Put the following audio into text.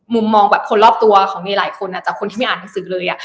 มุมมองแบบคนรอบตัวของเมย์หลายคนจากคนที่ไม่อ่านหนังสือเลย